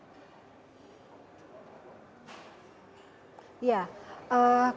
apakah ada respon atensi langsung dari kementerian